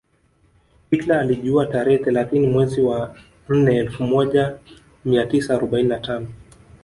Hitker alijiua tarehe thelathini mwezi wa nne elfu moja mia tisa arobaini na tano